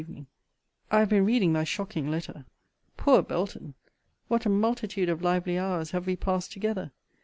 EVENING. I have been reading thy shocking letter Poor Belton! what a multitude of lively hours have we passed together!